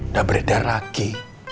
gak beredar lagi